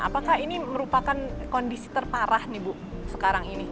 apakah ini merupakan kondisi terparah nih bu sekarang ini